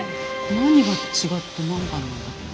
何が違って何番なんだろう。